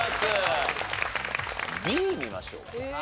Ｂ見ましょうか。